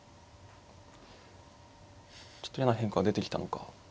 ちょっと嫌な変化出てきたのか。